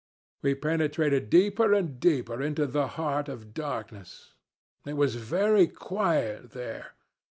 We penetrated deeper and deeper into the heart of darkness. It was very quiet there.